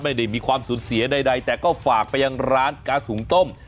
ไม่ได้มีความสูญเสียใดแต่ก็ฝากไปยังร้านก๊าซหุงต้ม